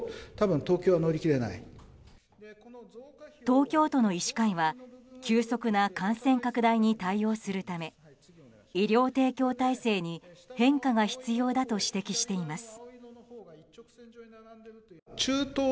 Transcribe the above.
東京都の医師会は急速な感染拡大に対応するため医療提供体制に変化が必要だと指摘しています。